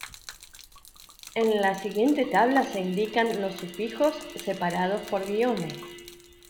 En la siguiente tabla se indican los sufijos separados por guiones.